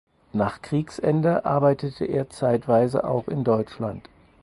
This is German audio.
Nach Kriegsende arbeitete er zeitweise auch in Deutschland.